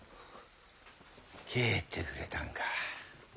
帰ってくれたんか。